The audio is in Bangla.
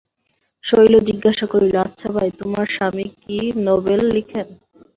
শৈল জিজ্ঞাসা করিল, আচ্ছা ভাই, তোমার স্বামী কি নভেল লেখেন?